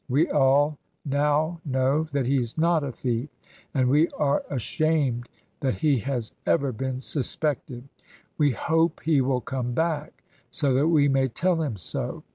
We all now know that he's not a thief; and we are ashamed that he has ever been suspected. We hope he will come back, so that we may tell him so.